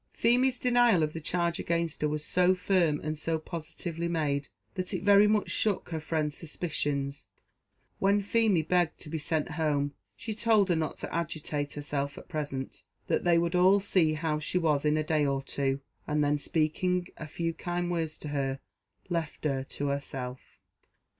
Feemy's denial of the charge against her was so firm, and so positively made, that it very much shook her friend's suspicions. When Feemy begged to be sent home, she told her not to agitate herself at present that they would all see how she was in a day or two and then speaking a few kind words to her, left her to herself.